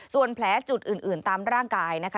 ส่วนแผลจุดอื่นตามร่างกายนะคะ